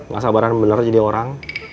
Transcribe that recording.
gak sabaran bener jadi orang